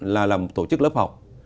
là làm tổ chức lớp học